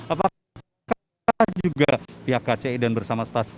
apakah juga pihak kci dan bersama staff